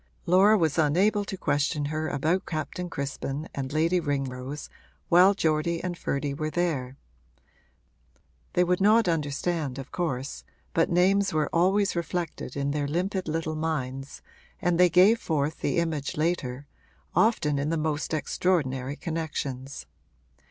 Laura was unable to question her about Captain Crispin and Lady Ringrose while Geordie and Ferdy were there: they would not understand, of course, but names were always reflected in their limpid little minds and they gave forth the image later often in the most extraordinary connections.